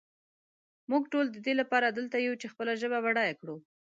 مونږ ټول ددې لپاره دلته یو چې خپله ژبه بډایه کړو.